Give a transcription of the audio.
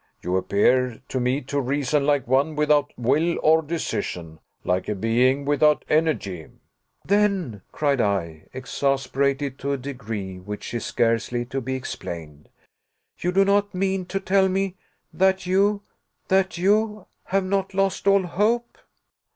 You appear to me to reason like one without will or decision, like a being without energy." "Then," cried I, exasperated to a degree which is scarcely to be explained, "you do not mean to tell me that you that you have not lost all hope."